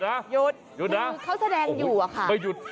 หยุดหยุดนะคือเขาแสดงอยู่อะค่ะไม่หยุด